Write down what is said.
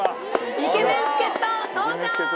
イケメン助っ人登場！